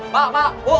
pak pak bu